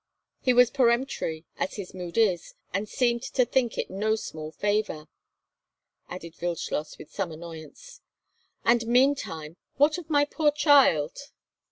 He was peremptory, as his mood is, and seemed to think it no small favour," added Wildschloss, with some annoyance. "And meantime, what of my poor child?